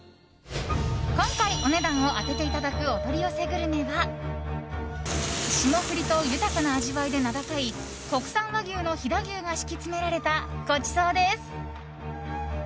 今回お値段を当てていただくお取り寄せグルメは霜降りと豊かな味わいで名高い国産和牛の飛騨牛が敷き詰められたごちそうです。